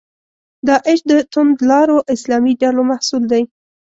داعش د توندلارو اسلامي ډلو محصول دی.